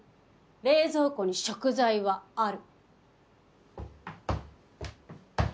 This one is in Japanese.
冷蔵庫に食材はある。